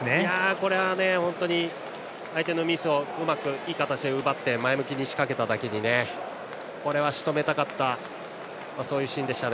これは本当に相手のミスをうまくいい形で奪って前向きに仕掛けただけにこれは、しとめたかったそういうシーンでした。